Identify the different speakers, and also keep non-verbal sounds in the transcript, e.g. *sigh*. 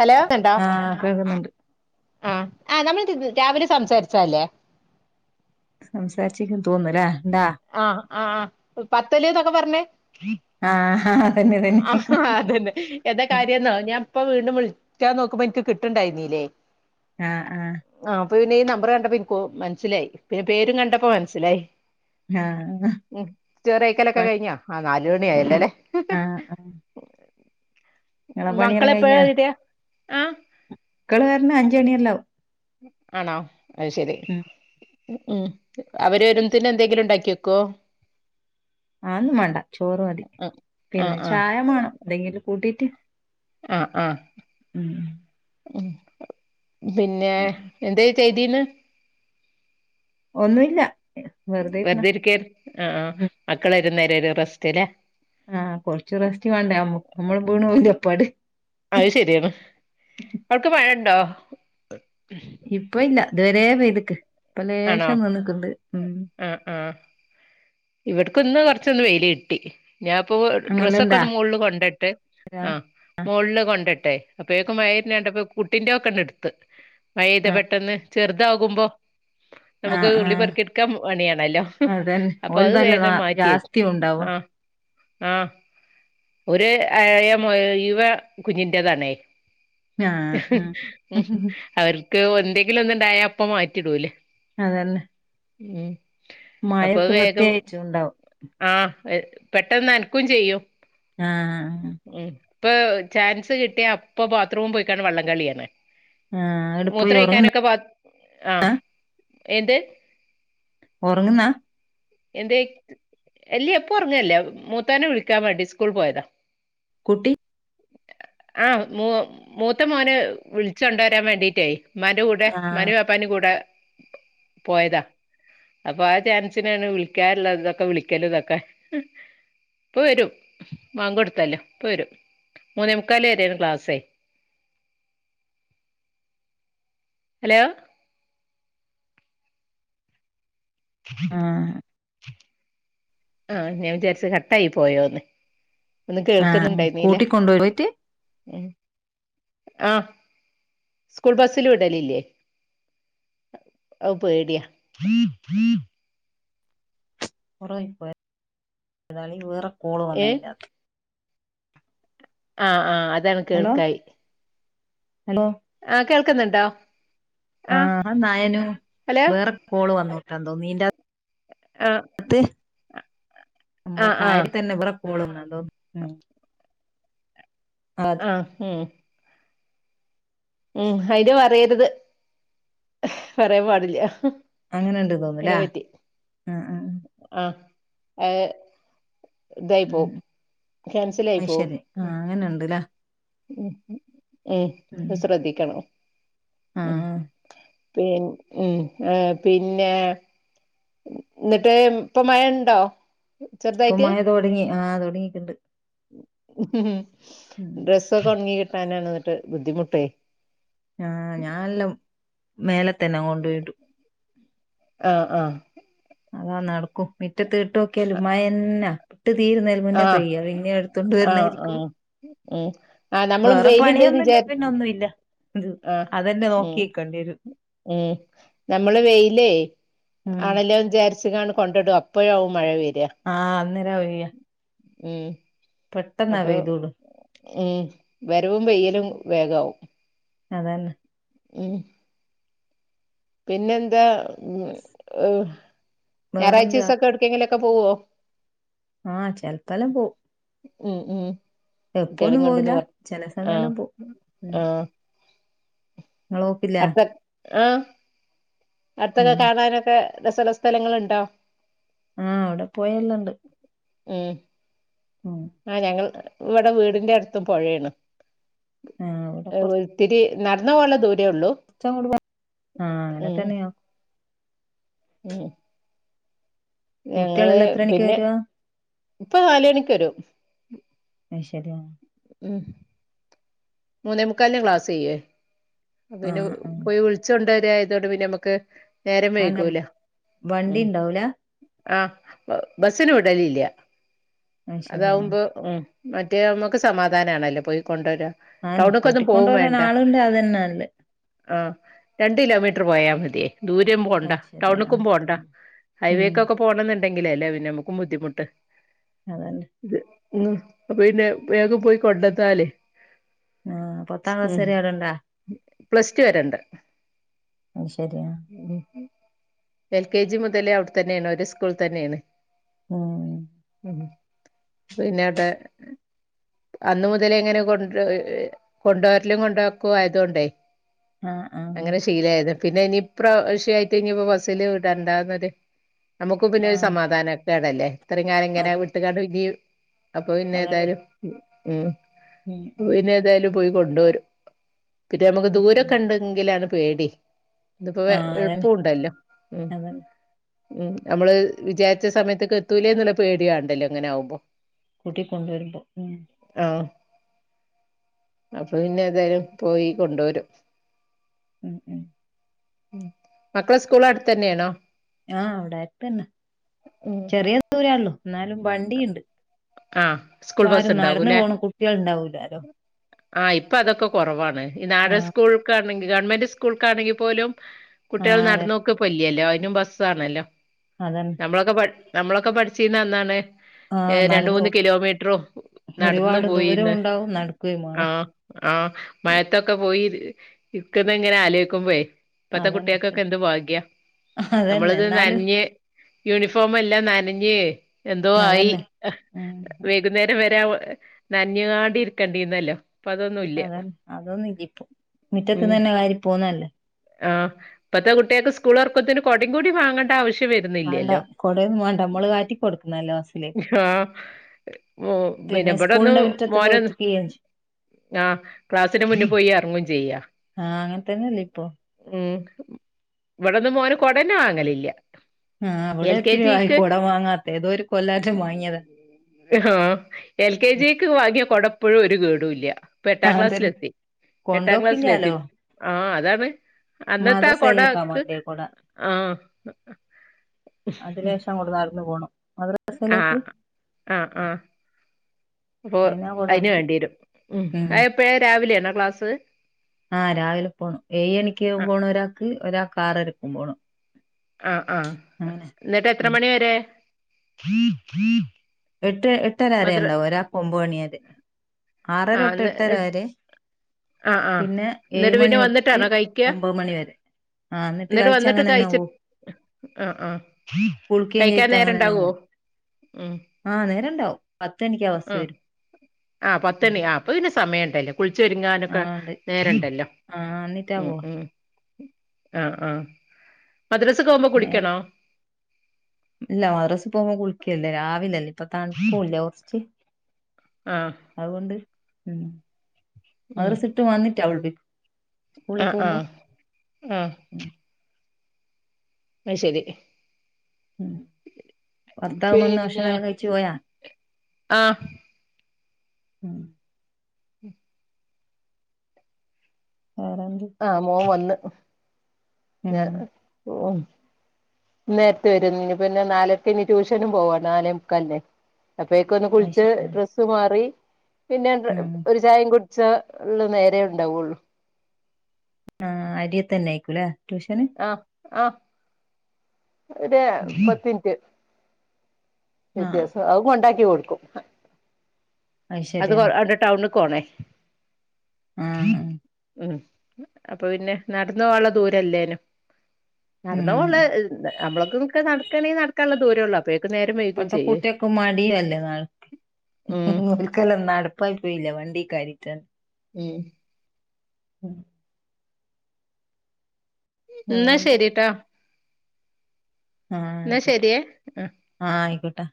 Speaker 1: Hello കേൾക്കണ്ടോ
Speaker 2: ആഹ് കേൾക്കുന്നുണ്ട്
Speaker 1: ആ ആ നമ്മൾ രാവിലെ സംസാരിച്ചല്ലേ
Speaker 2: സംസാരിചിക്ക്‌ന്ന് തോന്ന്ന്നല്ലേ ണ്ടാ
Speaker 1: ആഹ് ആ ആ പത്തല് ന്നൊക്കെ പറഞ്ഞെ
Speaker 2: ആഹ് അതന്നെ തന്നെ
Speaker 1: അതന്നെ എന്താ കാര്യംന്നോ ഞാൻ പ്പൊ വീണ്ടും വിളിക്കാൻ നോക്കുമ്പോ ഇൻക്ക് കിട്ട്ണ്ടായ്ര്ന്നീല്ലേ
Speaker 2: ആഹ് ആഹ്
Speaker 1: ആ അപ്പൊ പിന്നെ ഈ നമ്പർ കണ്ടപ്പൊ എനിക്ക് മനസ്സിലായി പിന്നെ പേരും കണ്ടപ്പോ മനസ്സിലായി
Speaker 2: ആഹ് ആ
Speaker 1: ഉം ചോറ് കയിക്കലൊക്ക കഴിഞ്ഞോ ആ നാല് മണി ആയല്ലോ ല്ലേ
Speaker 2: ആഹ് ആഹ് നിങ്ങളെ
Speaker 1: മക്കള്
Speaker 2: പണിയെല്ലാം
Speaker 1: എപ്പോളാ
Speaker 2: കഴിഞ്ഞാ
Speaker 1: വര ആഹ
Speaker 2: മക്കള് വരണേ അഞ്ചണിയെല്ലാവും
Speaker 1: ആണോ അത് ശരി
Speaker 2: ഉം
Speaker 1: ഉം ഉം അവര് വരുതെനും എന്തെങ്കിലും ഇണ്ടാക്കി വെക്കോ
Speaker 2: ആന്നും വേണ്ട ചോറ് മതി
Speaker 1: ആ
Speaker 2: പിന്നെ
Speaker 1: ആ
Speaker 2: ചായ മാണം എന്തെങ്കിലും കൂട്ടീട്ട്
Speaker 1: ആഹ് ആഹ്
Speaker 2: ഉം
Speaker 1: പിന്നെ എന്തേ ചെയ്തീന്ന്
Speaker 2: ഒന്നുല്ല വെറുതെ ഇരുന്ന
Speaker 1: വെറ്തെ ഇരിക്കാര് ആ മക്കള് വരുന്ന വരെ ഒരു റസ്റ്റ് ല്ലേ
Speaker 2: ആഹ് കൊറച്ചു റസ്റ്റ് വേണ്ട നമ്മൾ വീണ് പോവൂലെ അപ്പാട്
Speaker 1: അയ് ശരിയാണ് അവ്ട് ക്ക് മഴണ്ടൊ
Speaker 2: ഇപ്പൊ ഇല്ല ഇതുവരേ പെയ്തിക്ക് ഇപ്പം
Speaker 1: ആണോ
Speaker 2: ലേഷം നിന്നിക്കുണ്ട് ഉം
Speaker 1: ആ ആ ഇവിടക്ക് ഇന്ന് കൊറച്ചൊന്ന് വെയില് കിട്ടി ഞാൻ പ്പോ
Speaker 2: അങ്ങനെല്ലാം
Speaker 1: ഡ്രസ്സൊക്ക
Speaker 2: ഇണ്ടാ
Speaker 1: ഒന്ന് മോളില് കൊണ്ടെട്ട് ആഹ് മോളില് കൊണ്ടിട്ടെ അപ്പോഴേക്കും മഴ വരുന്നത് കണ്ടപ്പോൾ കുട്ടിന്റെ ഒക്കെ എടുത്ത് മഴ പെയ്ത് പെട്ടെന്ന് ചെറുതാകുമ്പോ നമുക്ക്
Speaker 2: ആഹ്
Speaker 1: നുള്ളി
Speaker 2: ആഹ്
Speaker 1: പെറുക്കി ഇട്ക്കാം പണിയാണല്ലോ
Speaker 2: അതന്നെ
Speaker 1: അപ്പൊ അത്
Speaker 2: ഓൽതല്ലേ നാ
Speaker 1: വേഗം മാറ്റി വെച്ചു
Speaker 2: ജാസ്തി ഉണ്ടാവ
Speaker 1: ആഹ് ആഹ് ഒര് അയ മുയുവൻ കുഞ്ഞിന്റെതാണേ
Speaker 2: ആഹ് ആഹ്
Speaker 1: അവര്ക്ക് ഒ എന്തെങ്കിലും ഒന്ന് ഇണ്ടായ അപ്പ മാറ്റിടൂല്ലേ
Speaker 2: അതന്നെ
Speaker 1: ഉം അപ്പൊ
Speaker 2: മഴത്ത്
Speaker 1: വേഗം
Speaker 2: പ്രത്യേകിച്ചും ഉണ്ടാവും
Speaker 1: ആഹ് പെട്ടെന്ന് അനക്കും ചെയ്യും
Speaker 2: ആഹ്
Speaker 1: ഉം ഇപ്പൊ ചാൻസ് കിട്ടിയാ അപ്പൊ ബാത്രൂമ് പോയിക്കാണ്ട് വെ ള്ളംകളിയാണ്
Speaker 2: ആഹ് അങ്ങട് പോയി ഒറങ്ങുന്ന
Speaker 1: മൂത്രയിക്കാനൊക്കെ പ ആഹ് എന്ത്
Speaker 2: ഒറങ്ങ്ന്ന
Speaker 1: എന്തേയ് അല്ലി ഇപ്പൊഉ റങ്ങേ ല്ല മൂത്താനെ വിളിക്കാൻ വേണ്ടി സ്കൂൾ പോയതാ
Speaker 2: കുട്ടി
Speaker 1: ആഹ് മൂ മൂത്ത മോന് വിളിച്ചു കൊണ്ടുവരാൻ വേണ്ടിട്ടെ മ്മാന്റെ കൂടെ
Speaker 2: ആഹ്
Speaker 1: ഇമ്മന്റേം വാപ്പന്റേം കൂടെ പോയതാ അപ്പൊ ആ ചാൻസിനാണ് വിളിക്കാറുള്ളതൊക്കെ വിളിക്കല് ഇതൊക്കെ ഇപ്പൊ വരും ബാങ്ക് കൊടുത്തല്ലോ ഇപ്പോ വരും മൂന്നേ മുക്കാല് വരേ ണ് ക്ലാസ്സേ ഹലോ
Speaker 2: ആഹ്
Speaker 1: ആഹ് ഞാൻ വിചാരിച്ചു കട്ടായി പോയോന്ന് ഒന്നും
Speaker 2: ആഹ്
Speaker 1: കേൾക്ക്‌ന്ന്ണ്ടായ്ന്നീല
Speaker 2: കൂട്ടിക്കൊണ്ടോയി പോയിട്ട്
Speaker 1: ഉം ആ സ്കൂൾ ബസ്സിൽ വിടലില്ലെ അഹ് പേടിയ
Speaker 2: *unintelligible* വേറെ കോള്
Speaker 1: ഏഹ്
Speaker 2: വന്നയിന്റാത്തു
Speaker 1: ആഹ് ആഹ് അതാണ്
Speaker 2: ഹലോ
Speaker 1: കേൾക്കായി
Speaker 2: ഹലോ
Speaker 1: ആ കേൾക്ക്‌ന്ന്ണ്ടോ
Speaker 2: ആഹ് ആനായനു
Speaker 1: ഹലോ
Speaker 2: വേറെ കോള് വന്നുട്ടോ എന്തോ മീ
Speaker 1: ആഹ്
Speaker 2: ത് മ്മളെ
Speaker 1: ആഹ് ആഹ്
Speaker 2: കാര്യം തന്നെ ഇവടെ ഓള് ന്നെന്തോ ഉം ആഹ്
Speaker 1: അഹ് ഉം അയിന് പറയരുത് പറയാൻ പാടില്ല
Speaker 2: അങ്ങനെണ്ട്
Speaker 1: അയിനെ
Speaker 2: തോന്നുല്ലേ
Speaker 1: പറ്റി
Speaker 2: ആഹ് ആഹ്
Speaker 1: ആഹ് എഹ്
Speaker 2: ഉം
Speaker 1: ക്യാൻസൽ ആയി
Speaker 2: അയ്
Speaker 1: പോവും
Speaker 2: ശരി ആ അങ്ങനെ ഇണ്ട്ല്ലേ
Speaker 1: ഉം ഉം ഊം
Speaker 2: ഉം
Speaker 1: അഹ് ശ്രദ്ധിക്കണം ഉം
Speaker 2: ആഹ്
Speaker 1: പി ഉം ആ പിന്നെ ന്ന്ട്ട് പ്പൊ മഴണ്ടോ
Speaker 2: ഇപ്പൊ മയ തൊ ടങ്ങി ആ തൊ ടങ്ങിട്ടുണ്ട് ഉം
Speaker 1: ഡ്രസ്സൊക്കെ ഉണങ്ങി കിട്ടാനാണ് എന്നിട്ട് ബുദ്ധിമുട്ടെ
Speaker 2: ആ ഞാനെല്ലാം മേലെ തന്നെ കൊണ്ടോ യിടും
Speaker 1: ആഹ് ആഹ്
Speaker 2: അതാ നടക്കും മിറ്റത്തിട്ട് നോക്കിയാലും മഴന്നെ ഇട്ട് തീരുന്നി മുന്നേ
Speaker 1: ആഹ്
Speaker 2: പെയ്യു പിന്നെ അടുത്തോണ്ട്
Speaker 1: ആഹ്
Speaker 2: വരണായിരിക്കും
Speaker 1: ആഹ് ഉം ആ നമ്മളും
Speaker 2: വേറെ
Speaker 1: വെയില്ണ്ട്ന്ന്
Speaker 2: പണിയൊന്നുല്ല
Speaker 1: വിചാ
Speaker 2: പിന്നെ ഒന്നുല്ല ഇത്
Speaker 1: ആ
Speaker 2: അതന്നെ
Speaker 1: ഉം
Speaker 2: നോക്കി നിക്കേണ്ടി വരും
Speaker 1: ഉം നമ്മള് വെയിലേ
Speaker 2: ഉം
Speaker 1: ആണല്ലോ വിചാരിച്ച് ങ്ങാണ്ട് കൊണ്ടിടും അപ്പഴാവും മഴ വെരാ
Speaker 2: ആഹ് അന്നേ രം വയ്യ
Speaker 1: ഉം അപ്പൊ
Speaker 2: പെയ്തോളൂ
Speaker 1: ഉം വരവും പെയ്യലും വേഗാവും
Speaker 2: അതന്നെ
Speaker 1: ഉം പിന്നെന്താ ഏഹ്
Speaker 2: വേറെന്താ
Speaker 1: ഞായറാഴ്ചീസൊക്ക എവ്ട്ക്കേങ്കിലൊക്ക പോവോ
Speaker 2: ആഹ് ചെലപ്പല്ലാം പോവും -
Speaker 1: ഉം ഉം കുട്ട്യോളേം
Speaker 2: എപ്പൊന്നും പോവില്ല
Speaker 1: കൊണ്ട്ന്ന് പറ
Speaker 2: ചില
Speaker 1: ആഹ്
Speaker 2: സമയെല്ലാം പോവും ഉം
Speaker 1: ആഹ്
Speaker 2: ഇങ്ങള് പോക്കില്ലേ
Speaker 1: *unintelligible* ആഹ് അടുത്തൊക്ക
Speaker 2: ഉം
Speaker 1: കാണാനൊക്കെ രസള്ള സ്ഥലങ്ങള്ണ്ടോ
Speaker 2: ആഹ് അവടെ പോയ എല്ലണ്ട്
Speaker 1: ഉം
Speaker 2: ഉം
Speaker 1: ആഹ് ഞങ്ങൾ ഇവടെ വീടിന്റെ അടുത്തും പൊഴേണ്
Speaker 2: ആ ഇവിടെ
Speaker 1: ഏഹ് വ് ത്തിരി നടന്ന് പോവാള്ള ദൂരേ ഉള്ളൂ
Speaker 2: *unintelligible* ആഹ് അങ്ങനെ
Speaker 1: ഉം
Speaker 2: തന്നെയോ
Speaker 1: ഉം ഞങ്ങള്
Speaker 2: കുട്ടികളെല്ലാം എത്ര മണിക്ക്
Speaker 1: പിന്നെ
Speaker 2: വരുവാ
Speaker 1: ഇപ്പൊ നാല് മണിക്ക് വരും
Speaker 2: അഹ് ശരിയാണ്
Speaker 1: ഉം മൂന്നേ മുക്കാലിന് ക്ലാസ്സ്‌ കയ്യും അപ്പൊ പിന്നെ
Speaker 2: ആഹ് ആഹ്
Speaker 1: പോയി വിളി ഉച്ചൊണ്ടരെ ആയതോണ്ട് പിന്നമക്ക് നേരം
Speaker 2: അതെന്താ
Speaker 1: വൈകൂല
Speaker 2: വണ്ടി
Speaker 1: ഉം
Speaker 2: ഉണ്ടാവൂല
Speaker 1: ആ ബസ്സിന് വിടലില്ല്യ
Speaker 2: അത് ശരി ആ
Speaker 1: അതാവുമ്പോ ഉം മറ്റേ നമുക്ക് സമാധാന ആണ് അല്ലേ പോയി കൊണ്ടുവരാ
Speaker 2: ആൻ
Speaker 1: ടൗണ്ക്കൊന്നും
Speaker 2: കൂട്ടിക്കൊണ്ടുവരാൻ ആളുണ്ട് അത് തന്നെ നല്ല്.
Speaker 1: ആഹ് രണ്ട് കിലോമീറ്റർ പോയാ മതി ദൂരം പോണ്ട
Speaker 2: അത് ശരി ആ
Speaker 1: ടൗണക്കും
Speaker 2: ആ.
Speaker 1: പോണ്ട
Speaker 2: ഉം
Speaker 1: ഹൈവേക്കൊക്കെ പോണോണ്ടങ്കില് അല്ലേ പിന്നെ നമ്മക്കും ബുദ്ധിമുട്ട്
Speaker 2: അതന്നെ
Speaker 1: ഇത് ഉം അപ്പൊന്നെ വേഗം പോയി കൊണ്ടെന്നാലേ
Speaker 2: ആഹ് പത്താം ക്ലാസ്
Speaker 1: ഉം
Speaker 2: വരെ അവിടെ ഉണ്ടാ
Speaker 1: പ്ലസ് ടു വരെണ്ട്
Speaker 2: അത് ശരിയാ
Speaker 1: ഉം എൽ കെ ജി മുതലേ അവിടെ തന്നെയാണ് ഒരു സ്കൂൾ തന്നെയാണ്
Speaker 2: ആഹ്
Speaker 1: ഉ പിന്ന അവിടെ അന്ന് മുതല് ങ്ങനെ കൊണ്ട് കൊണ്ടോരലും കൊണ്ടോക്കു ആയത് കൊണ്ടേ
Speaker 2: ആഹ് ആഹ്
Speaker 1: *unintelligible* പിന്നെനിപ്രാവ്ശ്യം ആയിട്ടിനീപ്പ ബസ്സില് വിടണ്ടാന്നൊര് നമ്മുക്കും പിന്നെ ഒരു
Speaker 2: ആഹ്
Speaker 1: സമാധാനം എപ്പഴല്ലേ ഇത്രയും നാള് ഇങ്ങനെ
Speaker 2: അത്
Speaker 1: വിട്ടു കൊണ്ട് ജി അപ്പം പിന്നെ
Speaker 2: അതന്നെ
Speaker 1: ഏതായാലും ഉം ഉം ഉന്ന എന്തായാലും പോയി കൊണ്ടുവരും പിന്നെ നമുക്ക്
Speaker 2: ഉം
Speaker 1: ദൂരോക്കെ ഉണ്ടെങ്കിലാണ് പേടി
Speaker 2: ആഹ്
Speaker 1: *unintelligible*
Speaker 2: അതന്നെ
Speaker 1: എളുപ്പുണ്ടല്ലോ.
Speaker 2: അതന്നെ
Speaker 1: ഉം നമ്മൾ വിചാര്ച്ച സമയത്ത്ക്കെത്തൂലെ ന്നുള്ള പേടി വാണ്ടല്ലോ ഇങ്ങനാവുമ്പം.
Speaker 2: കൂട്ടി കൊണ്ടുവരുമ്പോ ഉം.
Speaker 1: ആഹ് അപ്പ പിന്നെ എന്തായാലും പോയി കൊണ്ടുവരും
Speaker 2: ഉം ഉം
Speaker 1: ഉം മക്കളെ സ്കൂള് അടുത്ത് തന്നെയാണോ
Speaker 2: ആഹ് അവിടടുത്തന്നെ
Speaker 1: ഉം
Speaker 2: ചെറിയ ദൂരേള്ളു ന്നാലും വണ്ടീണ്ട്
Speaker 1: ആഹ് സ്കൂൾ ബസ്സ് ഉണ്ടാവൂല്ലേ
Speaker 2: കുട്ടികൾ ഉണ്ടാവൂലാലോ
Speaker 1: ആഹ് ഇപ്പം അതൊക്കെ കൊറവാണ് ഈ നാടൻ
Speaker 2: ആഹ്
Speaker 1: സ്കൂൾ ക്കാണെങ്കി ഗവണ്മെന്റ് സ്കൂൾക്കാണെങ്കി പോലും കുട്ടികൾ
Speaker 2: ആഹ് അതെ
Speaker 1: നടന്നു പോക്ക്പ്പല്ല്യല്ലോ അയ്നും ബസ്സാണല്ലോ
Speaker 2: അതന്നെ.
Speaker 1: നമ്മളൊക്കെ പ നമ്മളൊക്കെ പഠിച്ചന്ന അന്നാണേ
Speaker 2: ആഹ് നടന്നു
Speaker 1: രണ്ടൂന്നു
Speaker 2: പോകും
Speaker 1: കിലോ മീറ്ററും നടന്നു
Speaker 2: ഒരുപാട് ദൂരം
Speaker 1: പോയീന്ന്
Speaker 2: ഉണ്ടാവും നടക്കുകയും വേണം
Speaker 1: ആഹ് ആഹ് മയത്തൊക്കെ പോയി ഇര്ക്കുന്ന ങ്ങനെ ആലോയ്ക്കുമ്പയ്. ഇപ്പത്തെ
Speaker 2: അതന്നെ
Speaker 1: കുട്ടികൾക്കൊക്കെ
Speaker 2: ശരി
Speaker 1: എന്ത് ഭാഗ്യ നമ്മള്
Speaker 2: അതന്നെ എന്നാലും
Speaker 1: നനഞ്ഞ് യൂണിഫോം എല്ലാം നനഞ്ഞ് എന്തോ ആയി
Speaker 2: അതന്നെ ഉം ഉം.
Speaker 1: വെയ്കുന്നേരം വരെ അവ് നൻഞ്ഞ്കാണ്ടി ഇരിക്കണ്ടീരുന്നല്ലോ
Speaker 2: അതെ അതൊന്നും ഇയിപ്പോ
Speaker 1: ഉം
Speaker 2: മിറ്റത്ത്ന്നന്നെ വാരി പോന്നല്ലേ.
Speaker 1: ആഹ് പ്പത്തെ കുട്ട്യക്ക് സ്കൂളൊർക്കത്തിന് കൊടിം കൂടി വാങ്ങണ്ട ആവശ് റ്റ്
Speaker 2: വേണ്ട
Speaker 1: വരുന്നില്ല്യല്ലോ
Speaker 2: കൊടയൊന്നും വേണ്ട നമ്മള് കാറ്റി കൊടുക്കുന്നല്ലേ ബസ്സിലേക്ക്
Speaker 1: ആഹ് പിന്നെ ഇവടൊന്ന്
Speaker 2: സ്കൂളിന്റെ മുറ്റത്ത്
Speaker 1: മോനൊന്ന്
Speaker 2: പോയിട്ട് ചെയ്യേം ചെയ്യും
Speaker 1: ആഹ് ക്ലാസ്സിന് മുന്ന് പോയി എർങ്ങും ചെയ്യാ.
Speaker 2: ആഹ് അങ്ങനെത്തന്നല്ലേ ഇപ്പൊ
Speaker 1: ഉം ഇവിടന്നും മോന് കൊടന്നേ വാങ്ങണില്ല
Speaker 2: ആഹ് അവിടെ എത്തി കൊട വാങ്ങാത്തെ ഏതോ ഒരു കൊല്ലറ്റം വാങ്ങിയത്
Speaker 1: ഹ്ഹാ എൽ കെ ജിക്ക് വാങ്ങിയ കുട പ്പോഴും ഒരു കേടൂല്യ ഇപ്പം എട്ടാം
Speaker 2: ആഹ് അതന്നെ
Speaker 1: ക്ലാസ്സിലെത്തി എട്ടാം ക്ലാസ്സിലെത്തി ആഹ് അതാന്നെ
Speaker 2: മദ്രസയിലെക്കാ വണ്ടീ കുടെ
Speaker 1: ആഹ്
Speaker 2: അതിന് ശേഷം അങ്ങോട്ട് നടന്നു പോണം മദ്രസയിലേക്ക്
Speaker 1: ആഹ് ആഹ് ആഹ് അപ്പൊ
Speaker 2: അയിനാ കൊട
Speaker 1: അയ്ന് വേണ്ടിരും ഉം അയെപ്പഴ രാവിലെയണോ ക്ലാസ്
Speaker 2: ആ രാവിലെ പോണം ഏയ് മണിക്ക്
Speaker 1: ആഹ്
Speaker 2: പോണൊരാക്ക് ഒരാക്ക് ആറരക്കും പോണം
Speaker 1: ആഹ് ആ
Speaker 2: അങ്ങനെ
Speaker 1: ന്നിട്ട് എത്ര
Speaker 2: ഉം
Speaker 1: മണി വരെ
Speaker 2: എട്ട് എട്ടര വരെ
Speaker 1: മദ്ര
Speaker 2: എണ്ടാവും ഒരാക്ക് ഒമ്പത് മണി വരെ ആറര തൊട്ട്
Speaker 1: ആഹ്
Speaker 2: ഏട്ടര വരെ
Speaker 1: ആഹ് ആഹ്
Speaker 2: പിന്നെ ഏയ്
Speaker 1: എന്നിട്ട്
Speaker 2: മണി
Speaker 1: പിന്നെ
Speaker 2: ഒട്ടിട്ട
Speaker 1: വന്നിട്ടാണോ കഴിക്കാ
Speaker 2: ഒമ്പത് മണി വരെ ആഹ് ന്നിട്ട്
Speaker 1: എന്നിട്ട് വന്നിട്ട്
Speaker 2: കയ്ച്ചങ്ങനെന്നെ പോ
Speaker 1: കഴിച്ചിട്ട് ആഹ് ആഹ് കയ്ക്കാൻ
Speaker 2: അങ്ങനെന്നെ
Speaker 1: നേരണ്ടാവുവോ
Speaker 2: പോവും
Speaker 1: ഉം
Speaker 2: ആഹ് നേരണ്ടാവും പത്ത് ണിക്ക്
Speaker 1: ആഹ് ആഹ് പത്തണി ആ ഇപ്പ പിന്നെ സമയം ഉണ്ടല്ലോ കുളിച്ചൊരുങ്ങാനൊക്കെ
Speaker 2: ആഹ് ഉണ്ട്
Speaker 1: നേരുണ്ടല്ലോ
Speaker 2: ആഹ് എന്നിട്ടാ
Speaker 1: ഉം
Speaker 2: പോവാ
Speaker 1: ഉം ആഹ് ആഹ് മദ്രസക്ക് പോവുമ്പോ
Speaker 2: നേരെ
Speaker 1: കുളിക്കണോ
Speaker 2: ഇല്ല മദ്രസി പോമ്പോ കുളിക്കലില്ല രാവിലല്ലേ ഇപ്പൊ തണുപ്പൂല്ലേ കൊർച്
Speaker 1: ആഹ്
Speaker 2: അതുകൊണ്ട് ഉം അത്
Speaker 1: ഉം
Speaker 2: മദ്രസ് വിട്ട് വന്നിട്ട് അവള് പോയി
Speaker 1: ആഹ് ആഹ് ആഹ്
Speaker 2: ഉം
Speaker 1: അ ശരി.
Speaker 2: ഉം ഭർത്താവ് വന്ന്
Speaker 1: പിന്നെ
Speaker 2: ഭക്ഷണങ്ങള് കയ്യിച്ചു പോയാ
Speaker 1: ആഹ്
Speaker 2: ഉം വേറെ ന്ത്
Speaker 1: ആഹ് മോൻ വന്ന്
Speaker 2: ഉം
Speaker 1: ഞാ ഓഹ് ഇന്ന് നേരത്തെ വരും ഇനി പിന്നെ നാലരക്ക് ഇനി ട്യൂഷനും പോവാ നാലേ മുക്കാലിന് അപ്പേക്കൊന്ന്
Speaker 2: അത്
Speaker 1: കുളിച്ച്
Speaker 2: ശരിയാ
Speaker 1: ഡ്രസ്സ് മാറി പിന്നെ
Speaker 2: ഉം
Speaker 1: ഒരു ചായേം ഉച്ച ഉള്ള നേരെേ ഉണ്ടാവുള്ളൂ
Speaker 2: ആഹ് അരിയ തന്നെ ആയിക്കൂല്ലേ ട്യൂഷന്
Speaker 1: ആഹ് ആഹ് ഒര് പത്ത്റ്റ്
Speaker 2: ആഹ്
Speaker 1: വ്യത്യാസം അത് കൊണ്ടാക്കി കൊടുക്കും അത് കൊ അണ്ട് ടൗണക്ക് പോണേ
Speaker 2: ആഹ്
Speaker 1: ഉം അപ്പ പിന്നെ നടന്ന പോകാനുള്ള ദൂരല്ലേനും നടന്നാ
Speaker 2: ഉം
Speaker 1: പോവോള്ളു നമ്മളൊക്കെ നിക്ക നടക്കണെങ്കിൽ നട നടക്കാനുള്ള ദൂരം ഒള്ള് അപ്പഴേക്കും നേരം വൈയ്യക്കേ
Speaker 2: ഇപ്പത്തെ
Speaker 1: ചെയ്യും
Speaker 2: കുട്ടിയക്ക് മടിയല്ലേ
Speaker 1: ഉം
Speaker 2: *unintelligible* നടപ്പായി പോയില്ലേ വണ്ടീ കാര്
Speaker 1: ഉം
Speaker 2: ഉം
Speaker 1: ന്നാ
Speaker 2: വേറെന്താ
Speaker 1: ശരിട്ടാ
Speaker 2: ആഹ്
Speaker 1: എന്നാ
Speaker 2: ആയിക്കോട്ടെ
Speaker 1: ശരിയേ ആ
Speaker 2: ആഹാ ആയിക്കോട്ട്